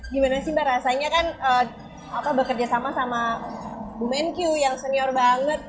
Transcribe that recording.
gimana sih mbak rasanya kan bekerja sama sama bu menkyu yang senior banget